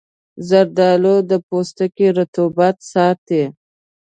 زردآلو د پوستکي رطوبت ساتي.